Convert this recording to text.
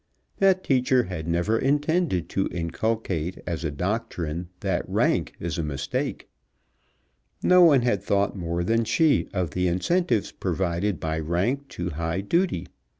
That teacher had never intended to inculcate as a doctrine that rank is a mistake. No one had thought more than she of the incentives provided by rank to high duty.